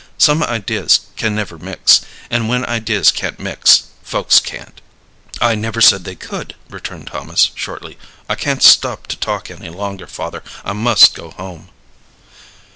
Some ideas can't never mix; and when ideas can't mix, folks can't." "I never said they could," returned Thomas, shortly. "I can't stop to talk any longer, father. I must go home."